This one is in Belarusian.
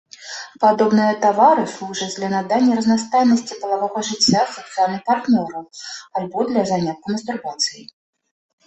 Падобныя тавары служаць для надання разнастайнасці палавога жыцця сексуальных партнёраў, альбо для занятку мастурбацыяй.